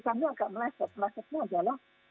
kami agak meleset melesetnya adalah